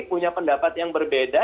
punya pendapat yang berbeda